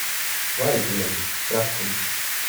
Vai dieniņ! Trakums.